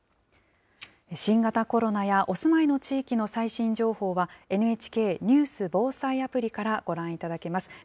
新型コロナやお住まいの地域の最新情報は、ＮＨＫニュース・防災アプリからご覧いただけます。